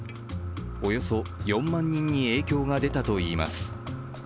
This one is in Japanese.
およそ４万人に影響が出たといいます。